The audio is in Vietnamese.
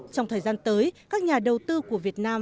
trong thời gian tới các nhà đầu tư của việt nam